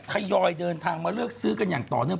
ยอยเดินทางมาเลือกซื้อกันอย่างต่อเนื่อง